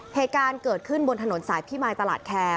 เหตุการณ์เกิดขึ้นบนถนนสายพิมายตลาดแคร์